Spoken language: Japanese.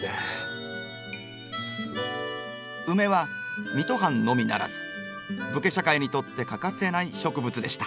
ウメは水戸藩のみならず武家社会にとって欠かせない植物でした。